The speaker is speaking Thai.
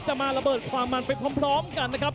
มาระเบิดความมันไปพร้อมกันนะครับ